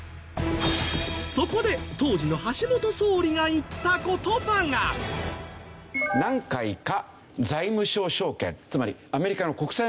そこで当時の橋本総理が言った言葉が。って言ったんです。